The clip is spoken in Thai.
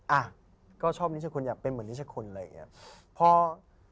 อ่ะก็ชอบนิชคุณอยากเป็นเหมือนนิชคุณอะไรอย่างนี้